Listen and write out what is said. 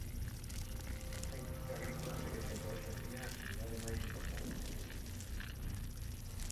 A industria agrícola segue sendo hoxe en día a actividade máis importante.